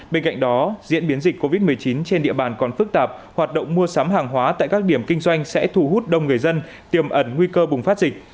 bên cạnh đó diễn biến dịch covid một mươi chín trên địa bàn còn phức tạp hoạt động mua sắm hàng hóa tại các điểm kinh doanh sẽ thu hút đông người dân tiềm ẩn nguy cơ bùng phát dịch